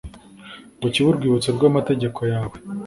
ngo kibe urwibutso rw’amategeko yawe.